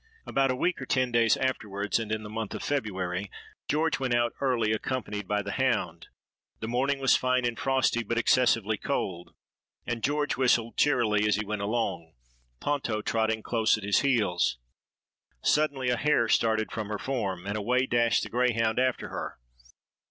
"About a week or ten days afterwards, and in the month of February, George went out early, accompanied by the hound. The morning was fine and frosty, but excessively cold; and George whistled cheerily as he went along, Ponto trotting close at his heels. Suddenly a hare started from her form; and away dashed the greyhound after her.